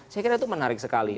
saya kira itu menarik sekali